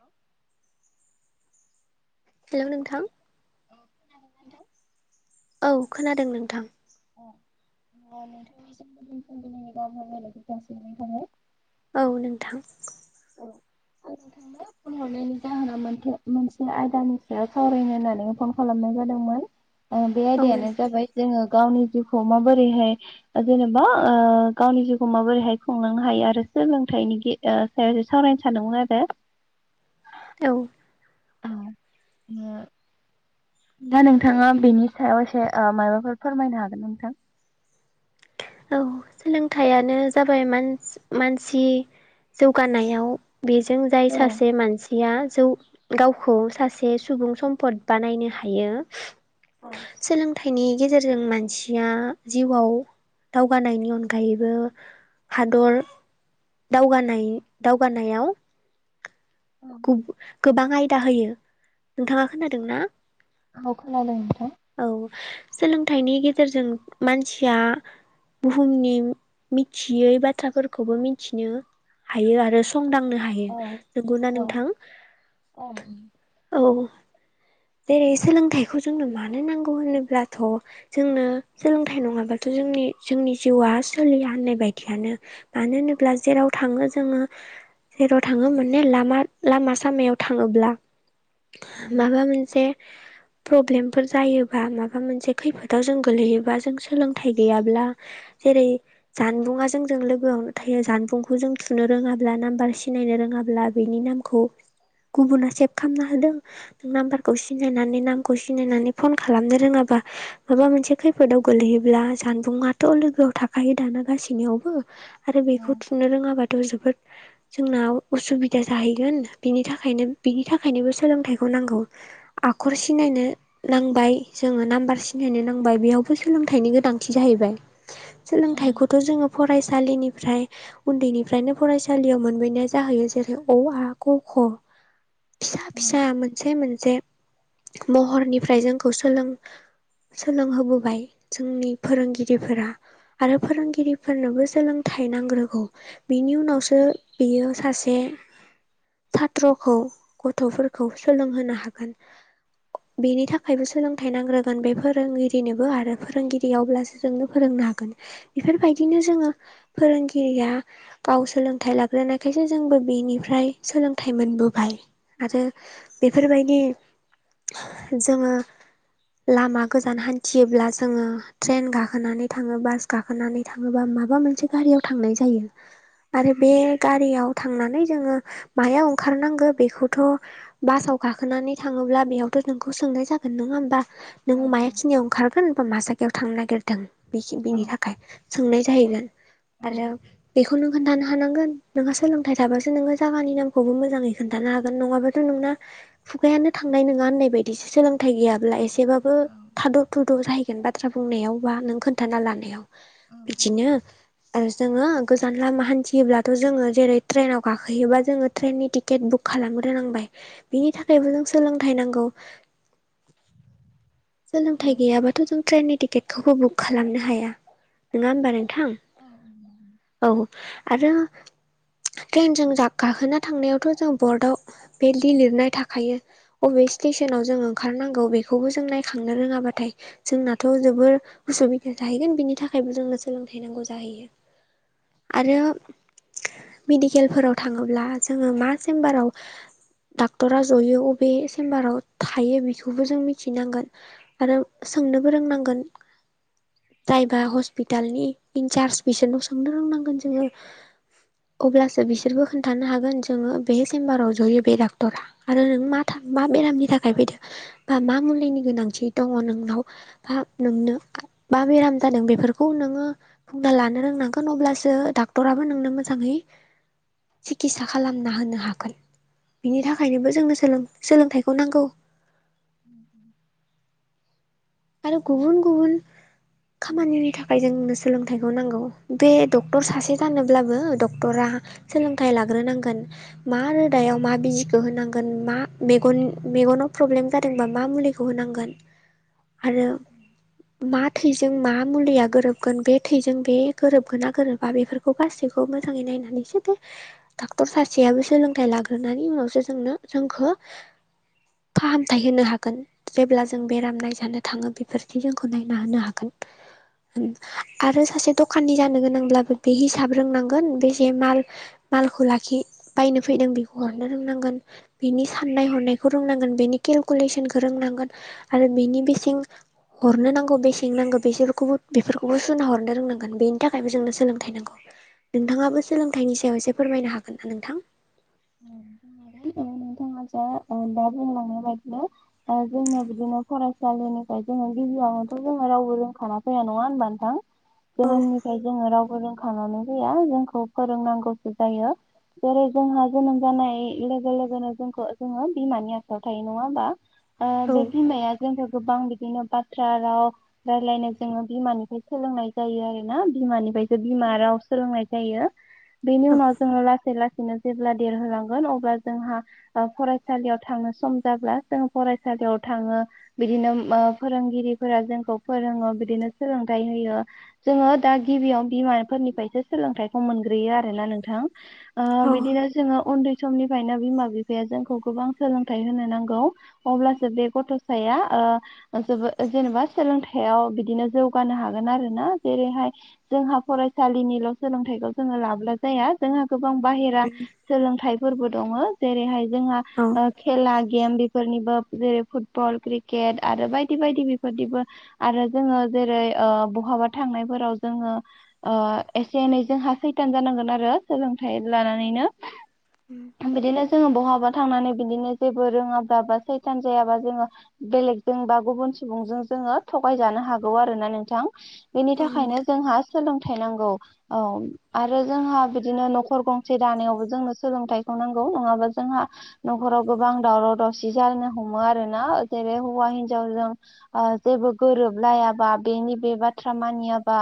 औ हेलौ नोंथां। [inaudible] औ खोनादों नोंथां। अ नोंथांनिसिम फुंबिलिनि गाहाम हामलायनायखौ जासिहरनाय थाबाय। औ नोंथां। औ आं नोंथांनो फन हरनायनि जाहोना मोन मोनसे आयदानि सायाव सावरायनो होन्नानै फन खालामनाय जादोंमोन। अ बे औ आयदायानो जाबाय जोङो गावनि जिउखौ माबोरैहाय जेनेबा ओ गावनि जिउखौ माबोरैहाय खुंलांनो हायो आरो सोलोंथाइनि गे ओ सायाव सावरायनो सानदोंमोन आरो। औ औ बियो दा नोंथाङा बेनि सायाव एसे ओ मायबाफोर फोरमायनो हागोन नोंथां। औ सोलोंथाइयानो जाबाय मान-मानसि जौगानायाव बिजों जाय औ सासे मानसि या जौ गावखौ सासे सुबुं सम्पद बानायनो हायो सोलोंथाइनि गेजेरजों मानसिया जिउआव दावगानायनि अनगायैबो हादर दावगानाय दावगानायाव गु गोबां आयदा होयो नोंथाङा खोनादों ना। औ खोनादों नोंथां‌। औ सोलोंथाइनि गेजेरजों मानसिया बुहुमनि मिथियै बाथ्राफोरखौबो मिथिनो हायो आरो संदांनो हायो नोंगौना नोंथां। औ जेरै सोलोंथाइखौ जोंनो मानो नांगौ होनोब्लाथ' जोंनो सोलोंथाइ नङाबाथ' जोंनि जोंनि जिउआ सोलिया होननाय बायदियानो मानो होनोब्ला जेराव थाङो जोङो जेराव थाङो माने लामा लामा सामायाव थाङोब्ला माबा मोन से प्रब्लेमफोर जायोबा माबा मोनसे खैफोदाव जों गोल्लैयोबा जों सोलोंथाइ गैयाब्ला जेरै जानबुंङा जोंजों लोगोआवनो थायो जानबुंखौ जों थुनो रोङाब्ला नाम्बार सिनायनो रोङाब्ला बेनि नाम खौ गुबुना सेब खामना होदों नामबार खौ सिनायनानै नामखौ सिनायनानै फन खालामनो रोङाबा माबा मोनसे खैफोदाव गोलैयोब्ला जानबुंङाथ' लोगोआव थाखायो दाना गासैनियावबो आरो बेखौ थुनो रोङाबाथ' जोबोद जोंनाव उसुबिदा जाहैगोन बिनि थाखायनो बिनि थाखायनोबो सोलोंथाइखौ नांगौ। आखर सिनायनो नांबाय जोङो नाम्बार सिनायनो नांबाय बेयावबो सोलोंथाइनि गोनांथि जाहैबाय। सोलोंथाइखौथ' जोङो फरायसालिनिफ्राय उन्दैनिफ्रायनो फरायसालियाव मोनबोनाया जाहैयो जेरै अ आ क ख फिसा फिसा मोनसे मोनसे महरनिफ्राय जोंखौ सोलों सोलोंहोबोबाय जोंनि फोरोंगिरिफोरा आरो फोरोंगिरिफोरनोबो सोलोंथाइ नांग्रोगौ। बिनि उनावसो बियो सासे सत्र'खौ गथ'फोरखौ सोलोंहोनो हागोन। बेनि थाखायबो सोलोंथाइ नांग्रोगोन बे फोरोंगिरिनोबो आरो फोरोंगिरि अब्लासो जोंनो फोरोंनो हागोन। बिफोरबायदिनो जोङो फोरोंगिरिया गाव सोलोंथाइ लाग्रोनायखायसो जोंबो बिनिफ्राय सोलोंथाइ मोनबोबाय आरो बेफोरबायदि जोङो लामा गोजान हान्थियोब्ला जोङो ट्रेन गाखोनानै थाङो बास गाखोनानै थाङोबा माबा मोनसे गारियाव थांनाय जायो। आरो बे गारियाव थांनानै जोङो मायाव ओंखारनांगो बेखौथ' बासाव गाखोनानै थाङोब्ला बेयावथ' नोंखौ सोंनाय जागोन नङा होमबा नों माखिनियाव ओंखारगोन बा मा जा बेयाव थांनो नागिरदों बिखि बिनि थाखाय सोंनाय जाहैगोन आरो बेखौ नों खोन्थानो हानांगोन नोंहा सोलोंथाइ थाबासो नोङो जागानि नामखौबो मोजाङै खोनथानो हागोन नङाबा नोंना खुगायानो थांनाय नङा होननाय बायदिसो सोलोंथाइ गैयाब्ला एसेबाबो थाद' थुद' जाहैगोन बा थ्रा बुंनायाव बा नों खोन्थाना लानायाव बिदिनो ओ जोङो गोजान लामा हान्थियोब्लाथ' जोङो जेरै ट्रेनाव गाखोयोबा जोङो ट्रेननि टिकेट बुक खालामग्रोनांबाय। बिनि थाखायबो जों सोलोंथाय नांगौ सोलोंथाय गैयाब्लाथ जों ट्रेननि टिकेट खौबो बुक खालामनो हाया नङा होमबा नोंथां औ। आरो ट्रेनजों गाखोना थांनायावथ' जों बर्डआव बेलि लिरनाय थाखायो। बबे स्टेसनाव जों ओंखारनांगौ बेखौबो जों नायखांनो रोङाबाथाय जोंनाथ' जोबोर उसुबिदा थाहैगोन बिनि थाखायबो जोंनो सोलोंथाइ नांगौ जाहैयो। आरो मेडिकेलफोराव थाङोब्ला जोङो मा सेेम्बाराव डाक्टरा जयो अ बे सेेम्बाराव थायो बेखौबो जों मिथिनांगोन आरो सोंनोबो रोंनांगोन जायबा हस्पिटालनि इनसार्ज बिसोरनाव सोंनो रोंनांगोन जोङो। अब्लासो बिसोरबो खोन्थानो हागोन जोङो बे सेम्बाराव जयो बे डाक्टरा आरो नों मा था मा बेरामनि थाखाय फैदो बा मा मुलिनि गोनांथि दङ नोंनाव बा नोंनो बा बेराम जादों बेफोरखौ नोङो बुंना लानो रोंनांगोन अब्लासो डाक्टराबो नोंनो मोजाङै सिकित्सा खालामना होनो हागोन बिनि थाखायनोबो जोंनो सोलोंथाइखौ नांगौ। [inaudible] आरो गुबुन गुबुन खामानिनि थाखाय‌ जोंनो सोलोंथाइखौ नांगौ बे डक्टर सासे जानोब्लाबो डक्टरा सोलोंथाय लाग्रो नांगोन मा रोदायाव मा बिजिखौ होनांगोन मा मेगन मेगनाव प्रब्लेम जादोंबा मा मुलि खौ होनांगोन आरो मा‌ थैजों मा मुलिया गोरोबगोन बे थैजों बे गोरोबगोना गोरोबा बेफोरखौ गासै खौ मोजाङै नायनानैसो बे डाक्टर सासेयाबो सोलोंथाइ लाग्रोनानै उनावसो जोंनो जोंखौ फाहामथाय होनो हागोन जेब्ला जों बेराम नाय जानो थांङो बेफोरखि जोंखौ नायना होनो हागोन आरो सासे दखाननि जानो गोनांब्लाबो बे हिसाब रोंनांगोन बेसे माल मालखौ लाखि बायनो फैदों बेखौ हरनो रोंनांगोन। बेनि साननाय हनायखौ रोंनांगोन बेनि केलकुलेसनखौ रोंनांगोन आरो बेनि बेसे थिं हरनो नांगौ बेसेंनि नांगौ बेसोरखौबो बेफोरखौबो सुना हरनो रोंनांगोन बेनि थाखायबो जोंनो सोलोंथाइ नांगौ। नोंथाङाबो सोलोंथाइनि सायाव एसे फोरमायनो हागोन ना नोंथां। बुं हागोन नोंथाङा जा दा बुंलांनाय बायदिनो ओ जोङो बिदिनो फरायसालिनिफ्राय जोङो गिबियावनोथ' जोङो रावबो रोंखाना फैया नङा होनबा नोंथां। औ जोनोमनिफ्राय जोंडों रावबो रोंखा नानै फैया जोंखौ फोरोंनांगौसो जायो जेरै जोंहा जोनोम जानाय लोगो लोगोनो जोंखौ जोङो बिमानि आखायाव थायो नङा होमबा। ओ औ बे बिमाया जोंखौ गोबां बिदिनो बाथ्रा राव रायलायनाय जोङो बिमानिफ्राय सोलोंनाय जायो आरो ना बिमानिफ्राय बिमा राव सोलोंनाय जायो बेनि उनाव जोङो लाै लासैनो जेब्ला देरहोलांगोन अब्ला जोंहा ओ फरायसालियाव थांनो सम जाब्ला जों फरायसालियाव थाङो। बिदिनो उम ओ फोरोंगिरिफोरा जोंखौ फोरोङो बिदिनो सोलोंथाइ होयो। जोङो दा गिबियाव बिमाफोरनिफ्रायसो सोलोंथाइखौ मोनग्रोयो आरोना नोंथां। ओ औ बिदिनो जोङो उन्दै समनिफ्रायनो बिमा - बिफाया जोंखौ गोबां सोलोंथाइ होनो नांगौ। अब्लासो बे गथ'साया ओ जोबोद जेनेबा सोलोंथायाइयाव बिदिनो जौगानो हागोन आरो ना जेरैहाय जोंहा फरायसालिनिल' सोलोंथाइखौ जोङो लाब्ला जाया जोंहा गोबां बाहेरा सोलोंथाइफोरबो दङो जेरैहाय जोंहा औ ओ खेला गेम बे फोरनिबो जेरै फुटबल क्रिकेट आरो बायदि बायदि बेफोरनिबो आरो जोङो जेरै ओ बहाबा थांनायफोराव जोङो ओ एसे एनै जोंहा सैथान जानांगोन आरो सोलोंथाइ लानानैनो उम बिदिनो जोङो बहाबा थांनानै बिदिनो जेबो रोङाब्ला बा सैथान जायाबा जोङो बेलेगजों बा गुबुन सुबुंजों जोङो थगाय जानो हागौ आरो ना नोंथां। बेनि औ थाखायनो नोंथां जोंहा सोलोंथाइ नांगौ औ आरो जोंहा बिदिनो नखर गंसे दानायावबो जोंनो सोलोंथाइखौ नांगौ नङाबा जोंहा नखराव गोबां दावराव दावसि जानो हमो आरोना जेरै हौवा हिनजावजों ओ जेबो गोरोबलायाबा बेनि बे बाथ्रा मानियाबा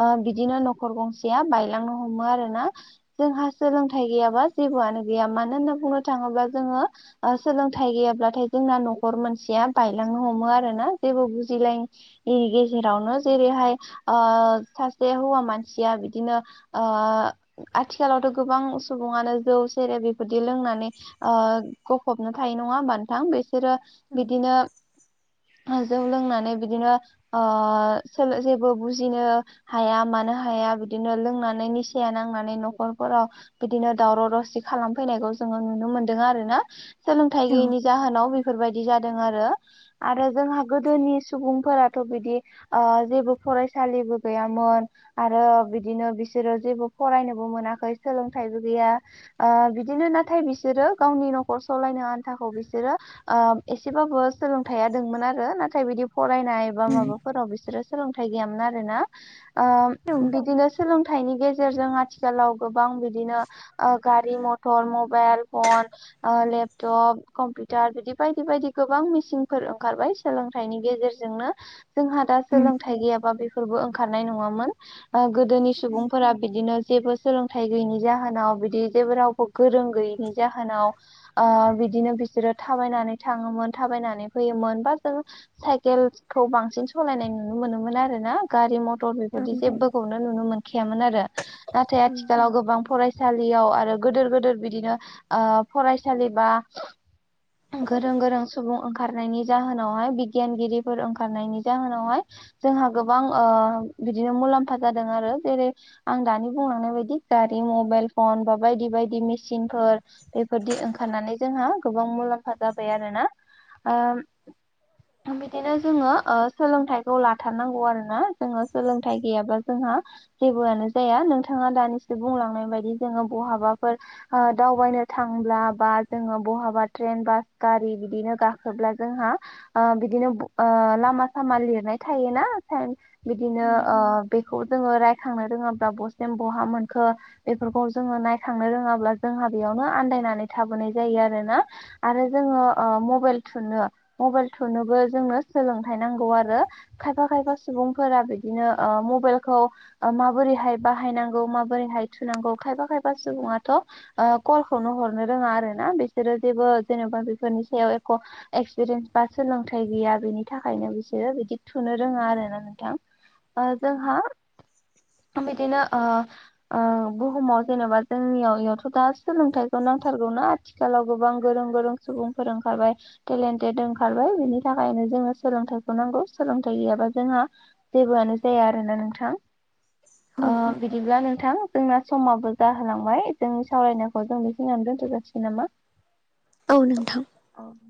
ओ बिदिनो नखर गंसेया बायलांनो हमो आरोना जोंहा सोलों थाइ गैयाबा जेबोआनो गैया मानो होनना बुंनो थाङोब्ला जोङो ओ सोलोंथाइ गैयाब्लाथाय जोंना नखर मोनसेया बायलांनो हमो आरोना जेबो बुजिलाय यि गेजेरावनो जेरैहाय ओ सासे हौवा मानसिया बिदिनो ओ आथिखालावथ' गोबां सुबुङानो जौ सेरेब बेफोरदि लोंनानै ओ गफबना थायो नङा ओनबा नोंथां बिसोरो औ बिदिनो ओ जौ लोंनानै बिदिनो ओ सोलो जेबो बुजिनो हाया मानो हाया बिदिनो लोंनानै निसाया नांनानै नखरफोराव बिदिनो दावराव दावसि खालामफैनायखौ जोङो नुनो मोनदों आरोना सोलोंथाइ औ गैयिनि जाहोनाव बे फोरबायदि जादों आरो आरो जोंहा गोदोनि सुबुंफोराथ' बिदि ओ जेबो फरायसालिबो गैयामोन आरो बिदिनो बिसोरो जेबो फरायनोबो मोनाखै सोलोंथाइबो गैया। ओ बिदिनो नाथाय बिसोरो गावनि नखर सलायनो आन्थाखौ बिसोरो ओ एसेबाबो सोलोंथाइया दोंमोन आरो नाथाय बिदि फरायनाय बा माबाफोराव बिसोरो सोलोंथाइ गैयामोन आरोना। ओ औ बिदिनो सोलोंथाइनि गेजेरजों आथिखालाव गोबां बि दिनो ओ गारि मटर मबेल फन ओ लेपटप कम्पिउटार बिदि बायदि बायदि गोबां मिसिंफोर ओंखारबाय सोलोंथाइनि गेजेरजोंनो जोंहा दा उम सोलोंथाइ गैयाबा बेफोरबो ओंखारनाय नङामोन ओ गोदोनि सुबुंफोरा बिदिनो जेबो सोलोंथाइ गैयिनि जाहोनाव बिदि जेबो रावबो गोरों गैयैनि जाहोनाव ओ बिदिनो बिसोरो थाबायनानै थाङोमोन थाबायनानै फैयोमोन बा जों साइकेलखौ बांसिन सलायनाय नुनो मोनोमोन आरोना गारि म त' बेबायदि जेबोखौनो नुनो मोनखायामोन आरो नाथाय आथिखालाव गोबां फरायसालियाव आरो गोदोर गोदोर बिदिनो ओ फरायसालि बा गोरों गोरों सुबुं ओंखारनायनि जाहोनावहाय बिगियानगिरिफोर ओंखारनायनि जाहोनावहाय जोंहा गोबां ओ बिदिनो मुलाम्फा जादों आरो जेरै आं दानि बुंलांबाय बायदि गारि मबेल फन बा बायदि बायदि मेसिनफोर बेफोरदि ओंखारनानै जोंहा गोबां मुलाम्फा जाबाय आरोना ओम [unintelligible] बिदिनो जोङो ओ सोलोंथाइखौ लाथारनांगौ आरोना जोङो सोलोंथाइ गैयाबा जोंहा जेबोआनो जाया नोंथाङा दानिसो बुंलांनाय बायदि जोङो बहाबाफोर ओ दावबायनो थांब्ला बा जोङो बहाबा ट्रेन बास गारि बिदिनो गाखोब्ला जोंहा ओ बिदिनो बु ओ लामा-सामा लिरनाय थायोना साएन बिदिनो उम ओ बेखौ जोङो रायखांनो रोङाब्ला बसेम बहा मोन खो बेफोरखौ जोङो नायखांनो रोङाब्ला जोंहा बेयावनो आन्दायनानै थाबोनाय जायो आरोना। आरो जोङो ओ मबाइल थुनो मबाइल थुनोबो जोंनो सोलोंथाय नांगौ आरो। खायफा-खायफा सुबुंफोरा बिदिनो ओ मबाइलखौ ओ माबोरैहाय बाहायनांगौ मा बोरैहाय थुनांगौ खायफा-खायफा सुबुङाथ' ओ कलखौनो हरनो रोङा आरो ना बिसोरो जेबो जेनेबा बेफोरनि सायाव एख' एक्सपिरियेन्स बा सोलोंथाइ गैया बेनि थाखायनो बिसोरो बिदि थुनो रोङा आरो ना नोंथां। ओ जोंहा बिदिनो ओ ओ बुहुमाव जेनेबा जोंनियाव यावथ' दा सोलोंथाइखौ नांथारगौना आथिखालाव गोबां गोरों-गोरों सुबुंफोर ओंखारबाय। टेलेन्टेड ओंखारबाय बेनि थाखायनो जोंनो सोलोंथाइखौ नांगौ सोलोंथाइ गैयाबा जोंहा जेबोआनो जाया आरोना नोंथां औ ओ बिदिब्ला नों थां जोंना समाबो जाहोलांबाय जोंनि सावरायनायखौ जों बेखिनियानो दोन्थ' जाासिगोन नामा? [inaudible] औ नोंथां। औ।